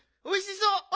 おいしそう！